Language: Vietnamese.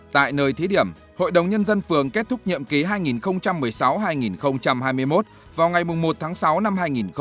tại nơi thí điểm hội đồng nhân dân phường kết thúc nhiệm ký hai nghìn một mươi sáu hai nghìn hai mươi một vào ngày một tháng sáu năm hai nghìn hai mươi